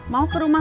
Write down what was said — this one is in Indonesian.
mau ke rumah ma